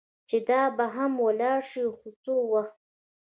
چې دا به هم ولاړه شي، خو څه وخت.